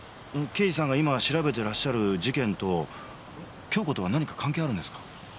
刑事さんが今調べてらっしゃる事件と杏子とは何か関係あるんですか？